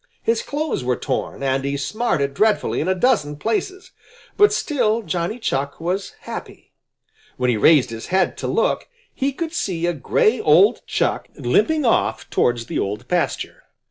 His clothes were torn, and he smarted dreadfully in a dozen places. But still Johnny Chuck was happy. When he raised his head to look, he could see a gray old Chuck limping off towards the Old Pasture.